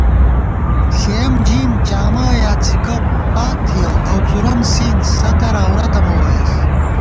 ݪېیَم جیم، جامہ یا څھِکہ پاک تھِیَؤ او څُورَم سین، ستر عورَتہ مہ ووئېس